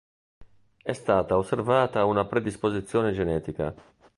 È stata osservata una predisposizione genetica.